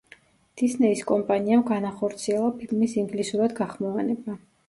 დისნეის კომპანიამ განახორციელა ფილმის ინგლისურად გახმოვანება.